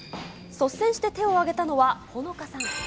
率先して手を挙げたのはホノカさん。